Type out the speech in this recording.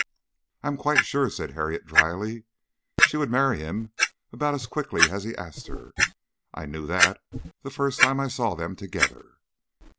"I am quite sure," said Harriet, dryly. "She would marry him about as quickly as he asked her. I knew that the first time I saw them together."